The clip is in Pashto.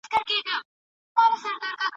موږ لارې چارې برابروو.